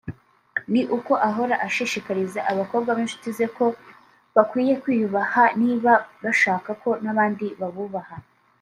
ni uko ahora ashishikariza abakobwa b’inshuti ze ko bakwiye kwiyubaha niba bashaka ko n’abandi babubaha